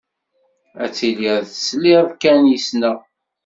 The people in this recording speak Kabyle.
Ad tiliḍ tesliḍ kan yes-sneɣ.